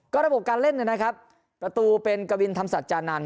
ก็ระบบการเล่นหน่อยนะครับประตูเป็นกวินธรรมศาสตร์จานันทร์